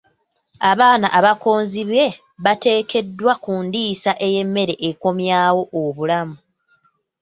Abaana abakonzibye baateekeddwa ku ndiisa ey'emmere ekomyawo obulamu.